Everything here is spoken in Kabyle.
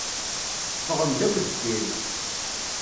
Teffɣem-d akk deffir-i.